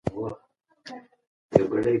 ځینې دوړې د ځمکې مدار شاوخوا نیول شوې وي.